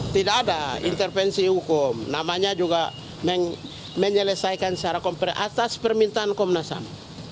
tidak ada intervensi hukum namanya juga menyelesaikan secara kompreh atas permintaan komnas ham